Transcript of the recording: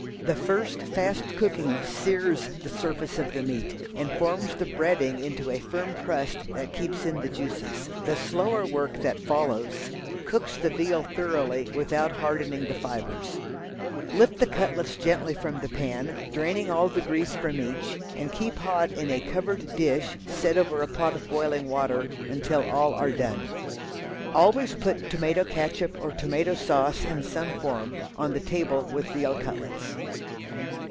The first fast cooking sears the surface of the meat and forms the breading into a firm crust that keeps in the juices. The slower work that follows cooks the veal thoroughly without hardening the fibres. Lift the cutlets carefully from the pan, draining all the grease from each, and keep hot in a covered dish set over a pot of boiling water until all are done. Always put tomato catsup or tomato sauce, in some form, on the table with veal cutlets.